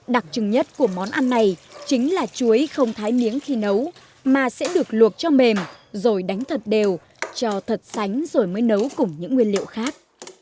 đặc trưng nhất của món ăn này chính là chuối không thái miếng khi nấu mà sẽ được luộc cho mềm rồi đánh thật đều cho thật sánh rồi mới nấu cùng những nguyên liệu khác